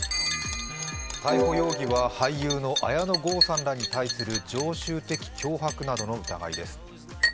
逮捕容疑は俳優の綾野剛さんらに対する常習的脅迫などの疑いです。